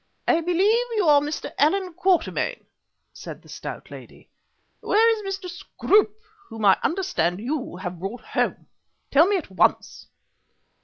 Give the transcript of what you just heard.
"I believe you are Mr. Allan Quatermain," said the stout lady. "Where is Mr. Scroope whom I understand you have brought home? Tell me at once."